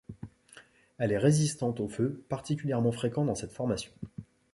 Elle est résistante aux feux particulièrement fréquents dans ces formations.